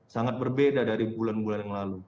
sangat berbeda dari bulan bulan yang lalu